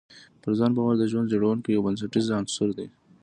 پر ځان باور د ژوند جوړونې یو بنسټیز عنصر دی.